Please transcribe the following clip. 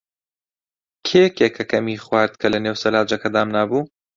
کێ کێکەکەمی خوارد کە لەنێو سەلاجەکە دامنابوو؟